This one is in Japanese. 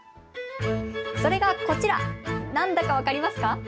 それがこちら、何だか分かりますか。